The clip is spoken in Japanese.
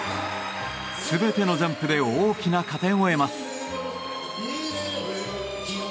全てのジャンプで大きな加点を得ます。